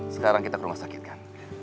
sekarang kita ke rumah sakit kan